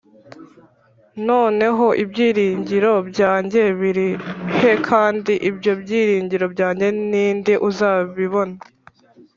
noneho ibyiringiro byanjye biri he, kandi ibyo byiringiro byanjye ni nde uzabibona’